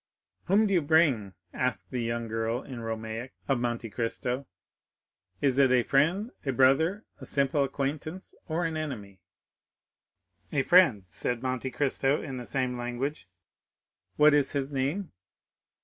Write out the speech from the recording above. "Whom do you bring?" asked the young girl in Romaic, of Monte Cristo; "is it a friend, a brother, a simple acquaintance, or an enemy." "A friend," said Monte Cristo in the same language. "What is his name?"